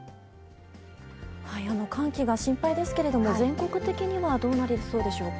寒気が心配ですけれども、全国的にはどうなりそうでしょうか。